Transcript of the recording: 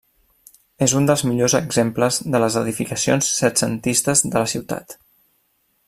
És un dels millors exemples de les edificacions setcentistes de la ciutat.